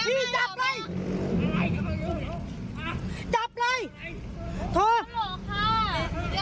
พี่ช่วยด้วยพี่จับตัวนี้เลย